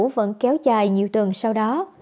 vẫn kéo dài nhiều tuần sau đó